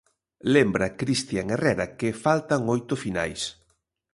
Lembra Cristian Herrera que faltan oito finais.